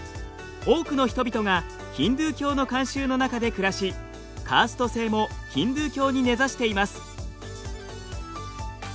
多くの人々がヒンドゥー教の慣習の中で暮らしカースト制もヒンドゥー教に根ざしています。